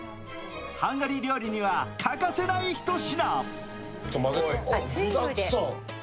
ハンガリー料理には欠かせない一品。